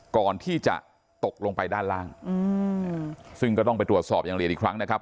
ก่อนที่จะตกลงไปด้านล่างซึ่งก็ต้องไปตรวจสอบอย่างละเอียดอีกครั้งนะครับ